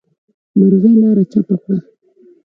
مرغۍ لاره چپه کړه.